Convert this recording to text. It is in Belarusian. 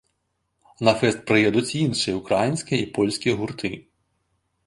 На фэст прыедуць і іншыя ўкраінскія і польскія гурты.